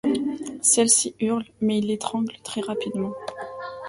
Celle-ci hurle, mais il l'étrangle très rapidement.